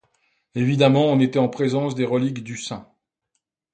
Évidemment, on était en présence des reliques du saint.